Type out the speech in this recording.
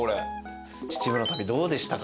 秩父の旅どうでしたか？